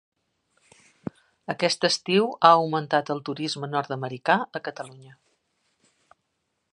Aquest estiu ha augmentat el turisme nord-americà a Catalunya.